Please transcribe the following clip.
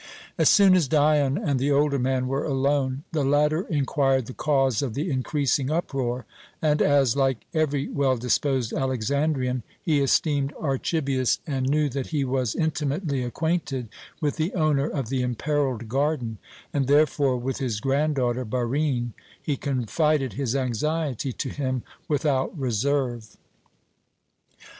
As soon as Dion and the older man were alone, the latter inquired the cause of the increasing uproar, and as, like every well disposed Alexandrian, he esteemed Archibius, and knew that he was intimately acquainted with the owner of the imperilled garden, and therefore with his granddaughter Barine, he confided his anxiety to him without reserve.